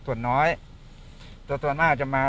ส่วนน้อยแต่ส่วนมากจะมา